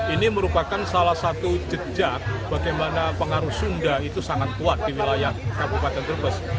ini merupakan salah satu jejak bagaimana pengaruh sunda itu sangat kuat di wilayah kabupaten brebes